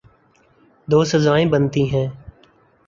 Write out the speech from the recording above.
دو سزائیں بنتی ہیں۔